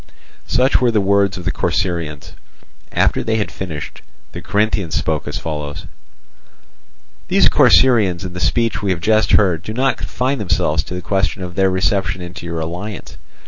Such were the words of the Corcyraeans. After they had finished, the Corinthians spoke as follows: "These Corcyraeans in the speech we have just heard do not confine themselves to the question of their reception into your alliance.